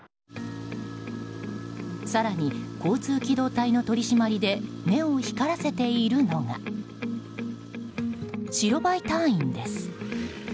更に交通機動隊の取り締まりで目を光らせているのが白バイ隊員です。